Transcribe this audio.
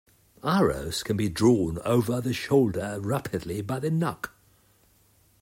Arrows can be drawn over the shoulder rapidly by the nock.